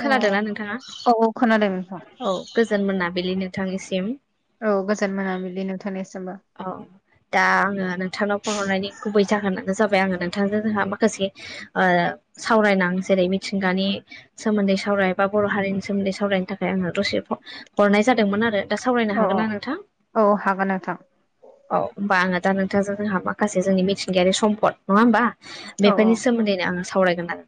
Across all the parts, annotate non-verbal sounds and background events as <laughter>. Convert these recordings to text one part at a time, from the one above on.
अ औ खोनादोंना नोंथाङा? औ खोनादों नोंथां औ गोजोन मोनाबिलि नोंथांनिसिम। औ गोजान मोनामिलि नोंथांनिसोमबो। औ दा आङो नोंथांनाव फन हरनायनि गुबै जाहोनानो जाबाय आङो नोंथांजों जोंहा माखासे ओ सावरायनां जेरै मिथिंगानि सोमोन्दैावराय बा बर' हारिनि सोमोन्दै सावरायनो थाखाय आङो रसि हरनाय जादोंमोन आरो दा सावरायनो औ औ हागोन ना नोंथां? औ हागोन नोंथां। औ होमबा आङो दा नोंथां जोंहा माखासे जोंनि मिथिंगायारि सम्पद नङा होमबा औ बेफोरनि सोमोन्दैनो आं सावरायगोन आरो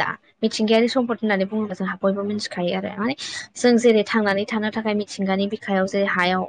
दा मिथिंगायारि सम्पद होननानै बुङोब्ला जोंहा बयबो मिथिखायो आरो माने जों जेरै थांनानै थानो थाखाय मिथिंगानि बिखायाव जेरै हायाव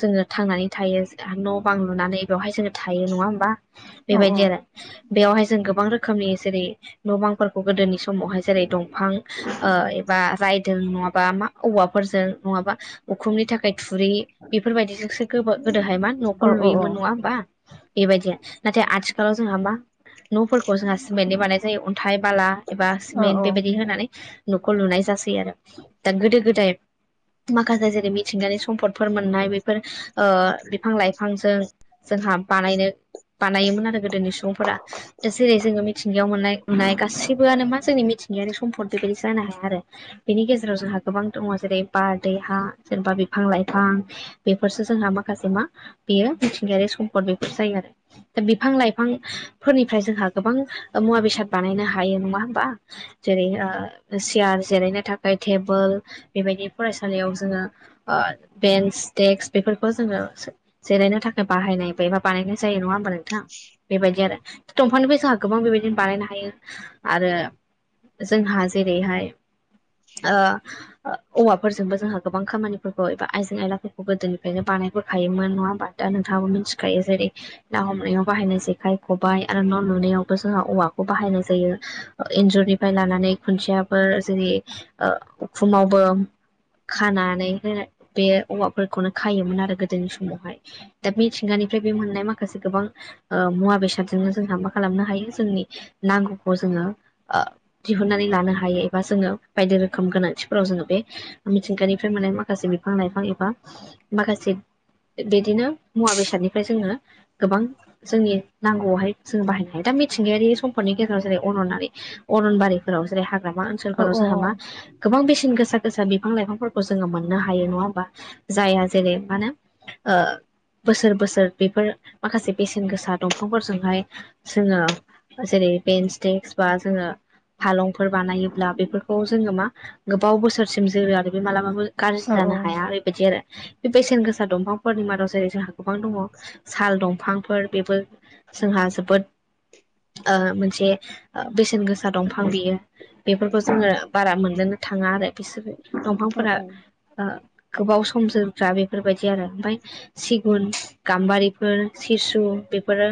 जोङो थांनानै थायो न' बां लुनानै बेवहाय जोङो थायो नङा होमबा औ बेबायदि आरो बेवहाय जों गोबां रोखोमनि जेरै न' बांफोरखौ गोदोनि समावहाय जेरै दंफां एबा रायदों नङाबा मा औवा फोरजों नङाबा उखुमनि थाखाय थुरि बेफोरबायदिजों गोमो गोदोहाय मा न'खौ औ औ लुयोमोन नङा होमबा बेबायदि नाथाय आथिखालाव जोंहा मा न'फोरखौ जोंहा सिमेन्टनि बानायनाय जायो अन्थाइ बाला एबा औ सिमेन्ट बेबायदि होनानै न'खौ लुनाय जासै आरो दा गोदो गोदाय माखासे जेरै मिथिंगानि सम्पदफोर मोननाय बेफोर ओ‌ बिफां लाइफांजों जोंहा बानायनो बानायोमोन आरो गोदोनि सुबुंफोरा जेरै जोङो मिथिंगायाव मोननाय मोननाय गासिबोआनो मा जोंनि मिथिंगायारि सम्फद बेबायदि जानो हाया आरो बेनि गेजेराव जोंहा गोबां दङ जेरै बार दै हा जेनेबा बिफां लाइफां बेफोरसो जोंहा माखासे मा बेयो मिथिंगायारि सम्पद बेफोर जायो आरो दा बिफां लाइफांफोरनिफ्राय जोंहा गोबां मुवा बेसाद बानायनो हायो नङा होमबा जेरै सियार जिरायनो थाखाय टेबोल बेबायदि फरायसालियाव जोङो बेन्स डेक्स बेफोरखौ जोङो जिरायनो थाखाय बाहायनाय बे एबा बानायनाय जायो नङा होम नोंथां बेबायदि आरो दंफांनिबोैसहा गोबां बेबायदिनो बानायनो हायो आरो जोंहा जेरैहाय ओ औवाफोरजोंबो जोंहा गोबां खामानिफोरखौ एबा आइजें आयलाफोरखौ गोदोनि <inaudible> ना हमनायाव बाहायनाय जेखाइ खबाइ आरो न' लुनायावबो जोंहा औवाखौ बाहायनाय जायो एन्जुरनिफ्राय लानानै खुन्थियाफोर जेरै उखुमावबो खानानै बे औवाफोरखौनो खायोमोन आरो गोदोनि समावहाय दा मिथिंगानिफ्राय बे मोननाय माखासे गोबां मुवा बेसादजोंनो जोंहा मा खालामनो हायो जोंनि नांगौखौ जोङो ओ दिहुननानै लानो हायो एबा जोङो बायदि रोखोम गोनांथिफोराव जोङो बे मिथिंगानिफ्राय मोननाय माखासे बिफां लाइफां एबा माखासे बिदिनो मुवा बेसादनिफ्राय जोङो गोबां जोंनि नांगौआवहाय जों बाहायनो हायो दा मिथिंगायारि सम्फदनि गेजेराव जेरै अरननारि अरनबारिफोराव जेरै हाग्रामा औ ओनसोलफोराव जोंहा मा गोबां बेसेन गोसा गोसा बिफां लाइफांफोरखौ जोङो मोननो हायो नङा होमबा जायहा जेरै मा होनो बोसोर बोसोर बेफोर माखासे बेसेन गोसा दंफांफोरजोंहाय जोङो जेरै बेन्स देक्स बा जोङो फालंफोर बानायोब्ला बेफोरखौ जोङो मा गोबाव बोसोरसिम जोरो आरो बे मालाबाबो गाज्रि औ जानो हाया बेबायदि आरो बे बेसेन गोसा दंफांफोरनि मादाव जेरै जोंहा गोबां दङ साल दंफांफोर बेबो जोंहा जोबोद ओ मोनसे बेसेन गोसा दंफां बियो बेफोरखौ जोङो बारा मोननोनो थाङा आरो बिसोरो दंफांफोरा ओ गोबाव सम जोरग्रा बेफोरबायदि आरो ओमफ्राय सिगुन गाम्बारिफोर सिसु बेफोरो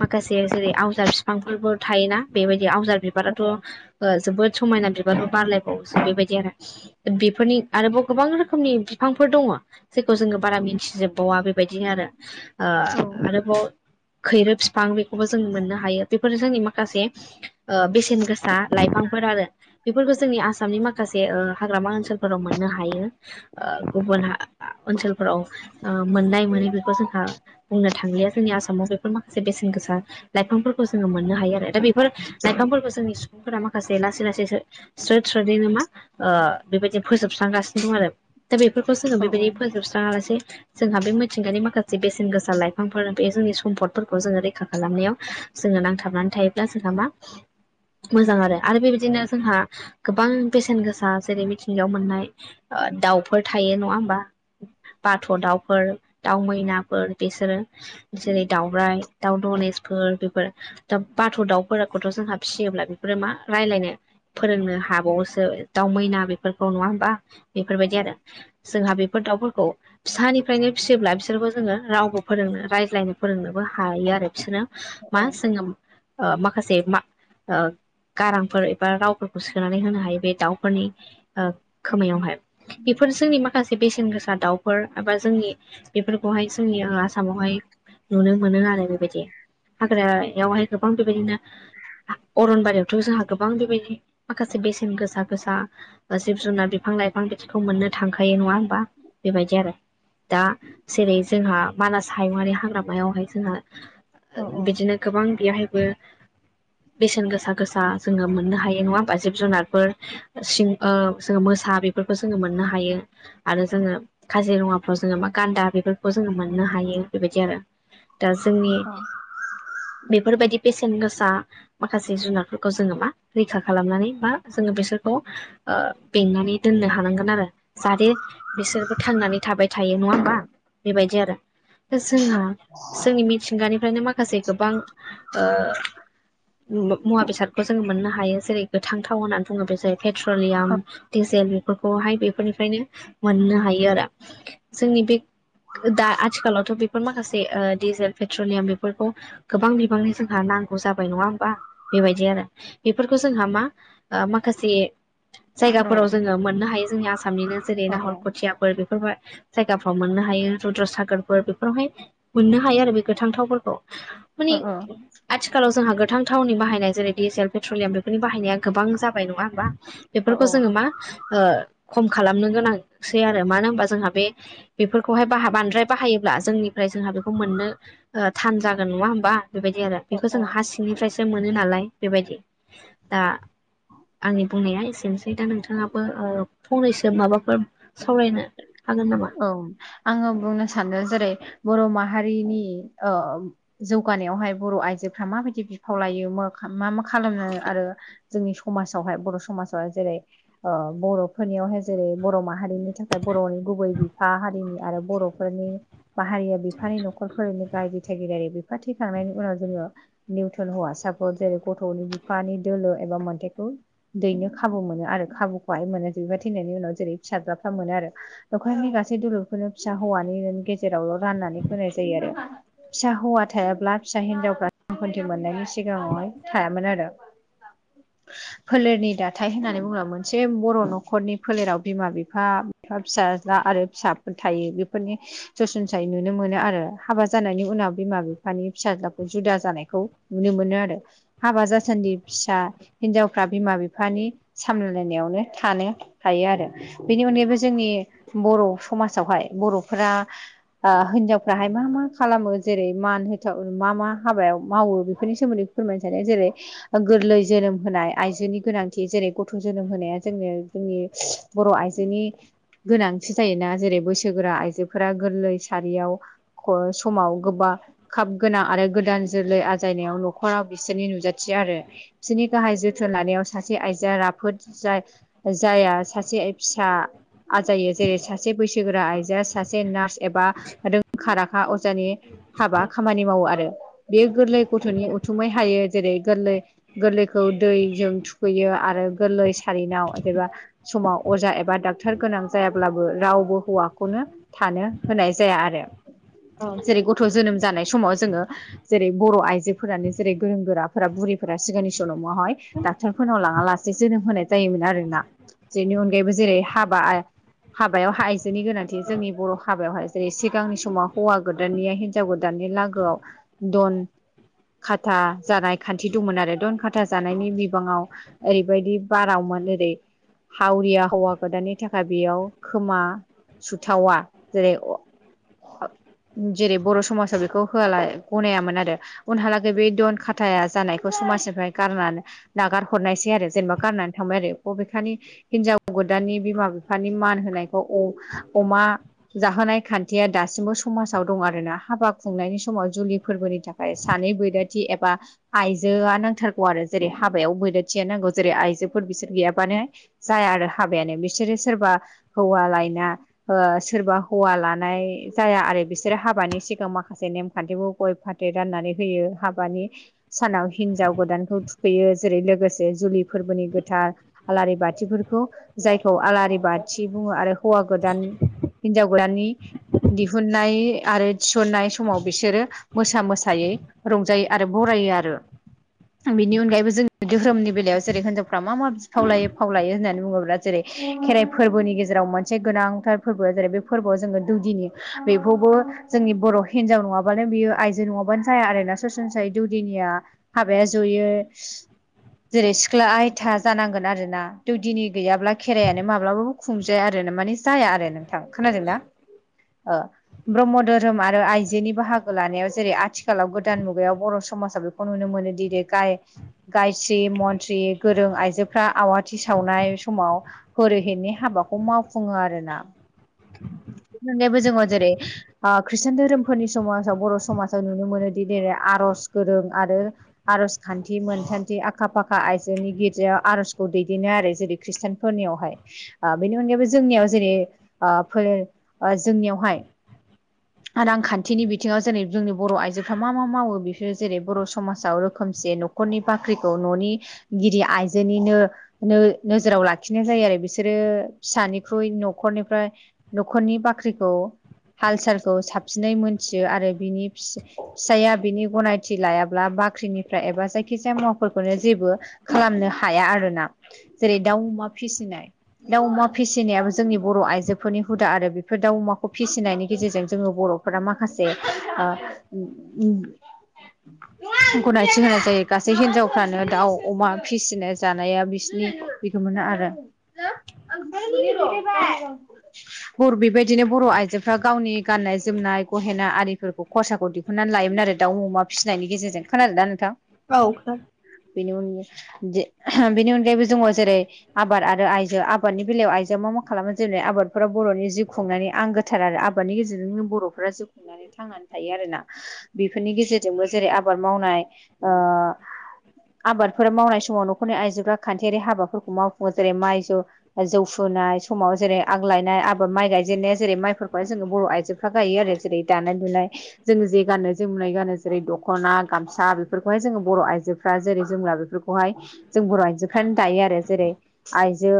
माखासे जेरै आवजार बिफांफोरबो थायोना बेबायदि आवजार बिबाराथ जोबोद समायना बिबारबो बारलायबावोसो बेबायदि आरो बेफोरनि आरोबाव गोबां रोखोमनि बिफांफोर दङ जेखौ जोङो बारा मिन्थिजोबबावा बेबायदिनो आरो ओ आरोबाव खैरो बिफां बेखौबो जों मोननो हायो बेफोर जोंनि माखासे बेसेन गोसा लाइफ बिफांफोर आरो बेफोरखौ जोंनि आसामनि माखासे ओ हाग्रामा ओनसोलफोराव मोननो हायो। ओ गुबुन हा ओनसोलफोराव ओ मोननाय मोनै बेखौ जोंहा बुंनो थांलिया जोंनि आसामाव बेफोर माखासे बेसेन गोसा लाइफांफोरखौ जोङो मोननो हायो आरो दा बेफोर लाइफांफोरखौ जोंनि सुबुंफोरा माखासे लासै लासै स्रोद स्रोदैनो मा ओ बेबायदि फोजोबस्रांगासिनो दं आरो दा बेफोरखौ जोङो बेबायदि जोबस्राङालासे जोंहा बे मिथिंगानि माखासे बेसेन गोसा लाइफांफोर बे जोंनि सम्फदफोरखौ जोङो रैखा खालामनायाव जोङो नांथाबनानै थायोब्ला जोंहा मा मोजां आरो आरो बेबायदिनो जोंहा गोबां बेसेन गोसा जेरै मिथिंगायाव मोननाय ओ दाउफोर थायो नङा होमबा बाथ' दाउफोर, दाउ मैनाफोर बिसोरो। जेरै दाउराइ, दाउ धनेसफोर बेफोर। दा बाथ' दाउफोरखौथ' जोंहा फिसियोब्ला बेफोरो मा रायलायनो फोरोंनो हाबावोसो दाउ मैना बेफोरखौ नङा होमबा बेफोरबायदि आरो जोंहा बे <unintelligible> दाउफोरखौ फिसानिफ्रायनो फिसियोब्ला बिसोरखौ जोङो रावबो फोरोंनो रायज्लायनो फोरोंनोबो हायो आरो बिसोरनो। मा जोङो ओ माखासे मा ओ गारांफोर एबा रावफोरखौ सोनानै होनो हायो बे दाउफोरनि ओ खोमायावहाय बेफोर जोंनि माखा से बेसेन गोसा दाउफोर एबा जोंनि बेफोरखौहाय जोंनि आसामावहाय नुनो मोनो आरो बेबायदि हाग्रायावहाय गोबां बेबायदिनो अरनबारियावथ' जोंहा गोबां बेबायदि माखासे बेसेन गोसा गोसा जिब जुनार बिफां लाइफां बिदिखौ मोननो थांखायो नङा होमबा बेबायदि आरो दा जेरै जोंहा मानास हायुङारि हाग्रामायावहाय जोंहा बिदिनो गोबां बेवहायबो बेसेन गोसा गोसा जोङो मोननो हायो नङा होमबा जिब जुनारफोर सिं ओ जोङो मोसा बेफोरखौ जोङो मोननो हायो। आरो जोङो काजिरङाफ्राव जोङो मा गान्दा बेफोरखौ जोङो मोननो हायो बेबायदि आरो। दा जोंनि बेफोरबायदि बेसेन गोसा माखासे जुनारफोरखौ जोङो मा रैखा खालामनानै बा जोङो बिसोरखौ ओ बेंनानै दोननो हानांगोन आरो जाहाथे बिसोरबो थांनानै थाबाय थायो नङा होमबा बेबायदि आरो। जोंहा जोंनि मिथिंगानिफ्रायनो माखासे गोबां ओ मुवा बेसादखौ जोङो मोननो हायो जेरै गोथांथाव होननानै बुङो बे जेरै पेट्रलियाम दिजेल बेफोरखौहाय बेफोरनिफ्रायनो मोननो हायो आरो जोंनि बे दा आथिखालावथ' बेफोर माखासे ओ डिजेल पेट्रलियाम बेफोरखौ गोबां बिबांनि जोंहा नांगौ जाबाय नङा होमबा बेबायदि आरो बेफोरखौ जोंहा मा ओ माखासे जायगाफोराव जोङो मोननो हायो जोंनि आसामनिनो जेरै नाहर खुथियाफोर बेफोर जायगाफ्राव मोननो हायो रुद्र सागोरफोर बेफोरावहाय मोननो हायो आरो बे गोथांथावफोरखौ। माने आथिखालाव जोंहा गोथां थावनि बाहायनाय जेरै डिजेल पेट्रलियाम बेफोरनि बाहायनाया गोबां जाबाय नङा होमबा औ बेफोरखौ जोङो मा ओ खम खालामनो गोनां सै आरो मानो होनबा जोंहा बे बेफोरखौहाय बाहा बांद्राय बाहायोब्ला जोंनिफ्राय जोंहा बे खौ मोननो ओ थान जागोन नङा हबा बेबायदि आरो औ बेखौ जोङो औ हासिं निफ्रायसो मोनो नालाय बेबायदि दा आंनि बुंनाया एसेनोसै दा नोंथाङाबो ओ फंनैसो माबाफोर सावरायनो। हागोन नामा? औ आङो बुंनो सानदों जेरै बर' माहारिनि अ जौगानायावहाय बर' आइजोफ्रा माबायदि बिफाव लायो मा मा खालामो आरो जोंनि समाजावहाय बर' समाजावहाय जेरै ओ बर'फोरनियावहाय जेरै बर' माहारिनि थाखाय बर'नि गुबै बिफा हारिनि आरो बर'फोरनि बाहारिया बिफानि न'खरफोरनि गायदि थागिरिारि बिफा थैखांनायनि उनाव जोंङो। निउथन हौवासाफोर जेरै गथ'नि बिफानि दोलो एबा मोनथाइखौ दैनो खाबु मोनो आरो खाबुखौहाय मोनो बिबायार थैनायनि उनाव जेरै फिसाजोफ्रा मोनो आरो नखरनि गासै <unintelligible> खौनो फिसा हौवानि गेजेरावल' राननानै होनाय जायो आरो। फिसा हौवा थायाब्ला फिसा हिनजावफ्रा <unintelligible> मोननायनि सिगाङावहाय थायामोन आरो। <unintelligible> फोलेरनि दाथाय होननानै बुंब्ला मोनसे बर' न'खरनि फोलेराव बिमा बिफा बिफा फिसा ना आरो फिसाफोर थायो बेफोरनि सरसनसायै नुनो मोनो आरो हाबा जानायनि उनाव बिमा बिफानि फिसाज्लाखौ जुदा जानायखौ नुनो मोनो आरो हाबा जासानदै फिसा हिनजावफ्रा बिमा बिफानि सामललायनायावनो थानो हायो आरो। बेनि अनगायैबो जोंनि बर' समाजावहाय बर'फोरा ओ हिनजावफ्राहाय मा मा खालामो जेरै मान होथाव मा मा हाबायाव मावो बेफोरनि सोमोन्दै फोरमायनो सानो जेरै गोरलै जोनोम होनाय आइजोनि गोनांथि जेरै गथ' जोनोम होनाया जोंनो जोंनि बर' आइजोनि गोनांथि जायोना जेरै बैसोगोरा आइजोफोरा गोरलै सारियाव समाव गोबा खाब गोनां आरो गोदान जोलै आजायनायाव न'खराव बिसोरनि नुजाथियो आरो। बिसोरनि गाहाय जोथोन लानायाव सासे आइजोआ राफोद जाय जाया सासे फिसा आजायो जेरै सासे बैसोगोरा आइजोआ सासे नार्स एबा रोंखा राखा अजानि हाबा खामानि मावो आरो बेयो गोरलै गथ'नि उथुमाय हायो जेरै गोरलै गोरलैखौ दैजों थुखैयो आरो गोरलै सारिनाव जेबा समाव अजा एबा डाक टार गोनां जायाब्लाबो रावबो हौवाखौनो थानो होनाय जाया आरो। औ जेरै गथ' जोनोम जानाय समाव जोङो। जेरै बर' आइजोफोरानो जेरै गोरों गोराफोरा बुरैफोरा सिगांनि समावहाय। डाक्टरफोरनाव लाङा लासे जोनोम होनाय जायोमोन आरोना बेनि अनगायैबो जेरै हाबा हाबायावाय आइजोनि गोनांथि जोंनि बर' हाबायावहाय जेरै सिगांनि समाव हौवा गोदाननिया हिनजाव हिनजाव गोदाननि लागोआव दन खाथा जानाय खान्थि दंमोन आरो दन खाथा जानायनि बिबाङाव ओरैबायदि बारावमोन ओरै हावरिया हौवाखौदानि थाखाय बेयाव खोमा सुथावा जेरै - जेरै बर' समाजाव बेखौ होआला गनायामोन आरो उनहालागै बे दन खाथाया जानायखौ समाजनिफ्राय गारनानै नागार हरनायसै आरो जेनेबा गारनानै थांबाय आरो बबेखानि हिनजाव गोदाननि बिमा बिमा बिफानि मान होनायखौ अमा जाहोनाय खान्थिया दासिमबो समाजाव दं आरोना हाबा खुंनायनि समाव जुलि फोरबोनि थाखा य सानै बैदोथि एबा आइजोआ नांथारगौ आरो जेरै हाबायाव बैराथिया नांगौ जेरै आयजोफोर बिसोर गैयाबानो जाया आरो हाबायानो बिसोरो सोरबा हौवा लायना सोरबा हौवा लानाय जाया आरो बिसोरो हाबानि सिगां माखासे नेमखान्थिखौ गय फाथै राननानै होयो हाबानि सानाव हिनजाव गोदानखौ थुखैयो जेरै लोगोसे जुलि फोरबोनि गोथार आलारि बाथिफोरखौ जायखौ आलारि बाथि बुङो आरो हौवा गोदान हिनजाव गोदाननि दिहुननाय आरो थिसननाय समाव बिसोरो मोसा मोसायै रंजायो आरो बरायो आरो। बेनि अनगायैबो जों धोरोमनि बेलायाव जेरै हिनजावफ्रा मा मा बिफावलायो फावलायो होननानै बुङोब्ला जेरै खेराइ फोरबोनि गेजेराव मोनसे गोनांथार फोरबो जेरै बे फोरबोआव जोङो दौदिनि बेखौबो जोंनि बर' हिनजाव नङाबानो बियो आइजो नङाबानो जाया आरोना सरासनस्रायै दौदिनिया हाबाया जयो जेरै सिख्ला आयथा जानांगोन आरोना दौदिनि गैयाब्ला खेरायानो माब्लाबाबो खुंजाया आरो माने जाया आरो नोंथां, खोनादोंना? ब्रह्म धोरोम आरो आइजोनि बाहागो लानायाव जेरै आथिखालाव गोदान मुगायाव बर' समाजा बे बेखौ नुनो मोनोदि गायस्रि मन्थ्रि गोरों आइजोफ्रा आवाथि सावनाय समाव हरैहेनि हाबाखौ मावफुङो आरोना। बो जोङो जेरै ओ खृष्टान धोरोमफोरनि समाजाव बर' समाजाव नुनो मोनोदि जेरै आर'ज गोरों आरो आर'ज खान्थि मोनखान्थि आखा फाखा आइजोनि गिर्जायाव आर'जखौ दैदेनो आरो जेरै खृष्टानफोरनियावहाय ओ बेनि अनगायैबो जोंनियाव जेरै ओ फोर ओ जोंनियावहाय रांखान्थिनि बिथिङाव जेरै जोंनि बर' आइजोफ्रा मा मा मावो बेफोरो जेरै बर' समाजाव रोखोमसे नखर नि बाख्रिखौ न'निगिरि आइजोनिनो नोनोजोराव लाखिनाय जायो आरो बिसोरो फिसानिख्रुइ न'खरनिफ्राय न'खरनि बाख्रिखौ हाल सालखौ साबसिनै मोनथियो आरो बिनि फिसा फिसायया बिनि गनायथि लायाब्ला बा ख्रिनिफ्राय एबा जायखिजाया मुवाफोरखौनो जेबो खालामनो हाया आरोना। जेरै दाउ अमा फिसिनाय दाउ अमा फिसिनायाबो जोंनि बर' आइजोफोरनि हुदा आरो बेफोर दाउ अमाखौ फिसिनायनि गेजेरजों जोङो बर'फोरा माखासे ओ उम उ गनायथि होनाय जायो गासै हिनजावफ्रानो दाउ अमा फिसिनो जानाया बिसिनि बेखौमोना आरो <inaudible> <unintelligible> बर'बेबायदिनो बर' आइजोफ्रा गावनि गाननाय जोमनाय गहेना आरिफोरखौ खरसाखौ दि हुननानै लायोमोन आरो दाउ अमा फिसिनायनि गेजेरजों खोनादोंना नोंथां? औ बेनि उननि दि बेनि अनगायैबो दङ जेरै आबाद आरो आइजो आबादनि बेलायाव आइजोआ मा मा खालामो जेनै आबाद फुरा बर'नि जिउ खुंनानै आंगोथार आरो आबादनि गेजेरजोंनो बर'फोरा जिउ खुंनानै थांनानै थायो आरोना। बेफोरनि गेजेरजोंबो जेरै आबाद मावनाय ओ आबादफोर मावनाय समाव नखरनि आइजोफ्रा खान्थियारि हाबाफोरखौ मावफुङो जेरै माइ जौ फु्नाय समाव जेरै आग लायनाय आबाद माइ गायजेननाया जेरै- माइफोरखौहाय जोङो बर' आइजोफ्रा गायो आरो जेरै दानाय- लुनाय जोङो जे गाननाय जोमुनाय गानो जेरै दखना गामसा बेफोरखौहाय जोङो बर' आइजोफ्रा जेरै जोमला बे खौहाय जों बर' आइजोफ्रानो दायो आरो जेरै- आइजो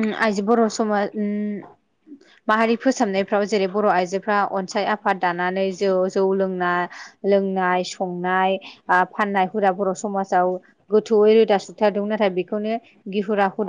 उम आइजो बर' समाज उम माहारि फोसाबनायफ्राव जेरै बर' आइजोफ्रा अनसाय आफाद दानानै जौ जौ लोंना लोंनाय संनाय आ फाननाय हुदा बर' समाजाव गोथौयै रोदा सुथारदोंमोन नाथाय बेखौनो गिहुरा हुदा